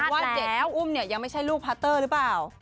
ว่าเด็กแล้วอุ้มเนี่ยยังไม่ใช่ลูกพาเตอร์หรือเปล่า